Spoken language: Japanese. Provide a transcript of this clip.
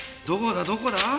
どこだどこだ？